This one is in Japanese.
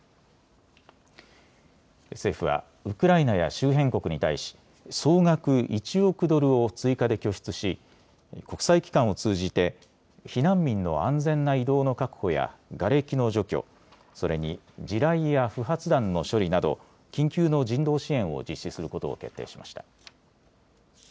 政府はウクライナや周辺国に対し総額１億ドルを追加で拠出し国際機関を通じて避難民の安全な移動の確保やがれきの除去、それに地雷や不発弾の処理など緊急の人道支援を実施することを決定しました。